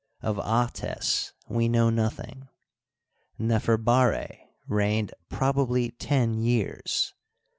Of Ahtes we know nothing. Neferbara reigned probably ten years.